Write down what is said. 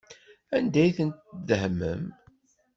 Anda ay tent-tdehnem?